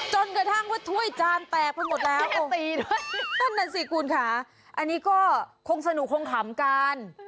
จนกระทั่งว่าถ้วยจานแตกพัดหมดแล้วตั้งแต่สี่กุลค้าอันนี้คงสนุกคงขำกัน